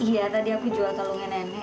iya tadi aku jual tolongnya nenek